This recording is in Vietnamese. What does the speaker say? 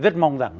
rất mong rằng